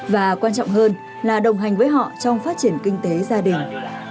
và quan trọng hơn là đồng hành với họ trong phát triển kinh tế gia đình